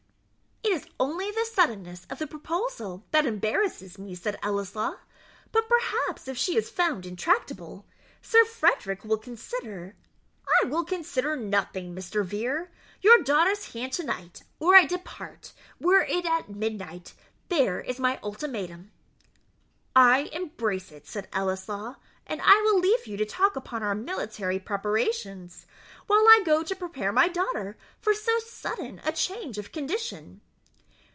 "It is only the suddenness of the proposal that embarrasses me," said Ellieslaw; "but perhaps if she is found intractable, Sir Frederick will consider " "I will consider nothing, Mr. Vere your daughter's hand to night, or I depart, were it at midnight there is my ultimatum." "I embrace it," said Ellieslaw; "and I will leave you to talk upon our military preparations, while I go to prepare my daughter for so sudden a change of condition."